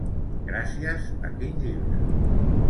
Gràcies a quin llibre?